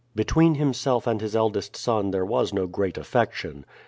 Between himself and his eldest son there was no great affection.